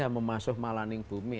hamemasuh malaning bumi